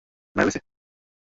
একটু এনাকে কি?